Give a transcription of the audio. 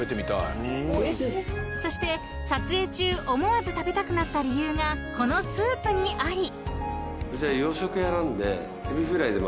［そして撮影中思わず食べたくなった理由がこのスープにあり］